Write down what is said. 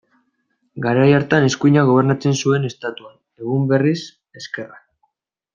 Garai hartan eskuinak gobernatzen zuen Estatuan, egun berriz, ezkerrak.